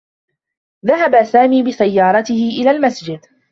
ذهب سامي بسيّارته إلى المسجد.